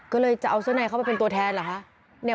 ก็เลยจะเอาเสื้อในเข้าไปเป็นตัวแทนเหรอคะ